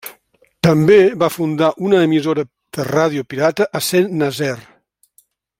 També va fundar una emissora de ràdio pirata a Saint-Nazaire.